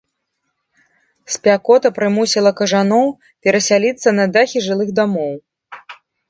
Спякота прымусіла кажаноў перасяліцца на дахі жылых дамоў.